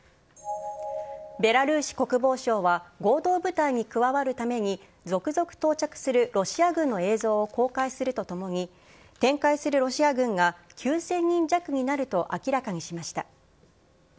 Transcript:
ベラルーシ国防省は、合同部隊に加わるために続々到着するロシア軍の映像を公開するとともに、展開するロシア軍が９０００人弱になると明らかにしました。